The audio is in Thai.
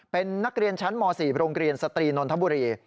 เป็นนักเรียนชั้นม๔โรงเรียนสตรีนนทบุรี